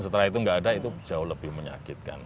setelah itu nggak ada itu jauh lebih menyakitkan